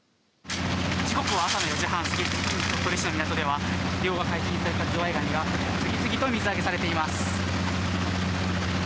時刻は朝の４時半過ぎ鳥取市の港では漁が解禁されたズワイガニが次々と水揚げされています。